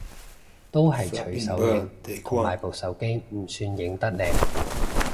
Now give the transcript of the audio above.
都係隨手影，同埋部手機唔算影得靚